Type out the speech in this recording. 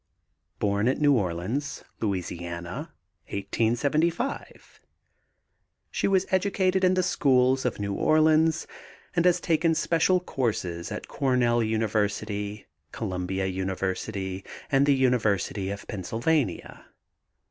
Born at New Orleans, La., 1875. She was educated in the schools of New Orleans and has taken special courses at Cornell University, Columbia University, and the University of Pennsylvania.